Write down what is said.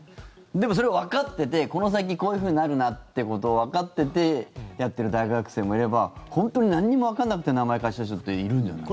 でも、それをわかっててこの先こういうふうになるなということをわかっててやってる大学生もいれば本当になんにもわからなくて名前貸した人っているんじゃない？